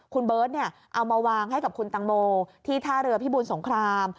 คุณเบิร์ตเอามาวางให้กับคุณตังโมที่ท่าเรือพิบูรสงคราม